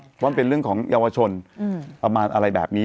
เพราะมันเป็นเรื่องของเยาวชนประมาณอะไรแบบนี้